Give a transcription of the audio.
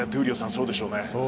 そうでしょうね。